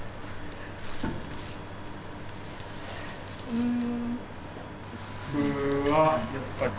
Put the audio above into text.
うん。